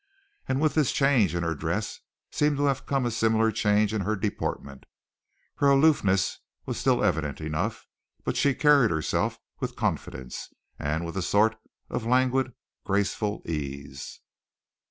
And with this change in her dress seemed to have come a similar change in her deportment. Her aloofness was still evident enough, but she carried herself with confidence, and with a sort of languid, graceful ease.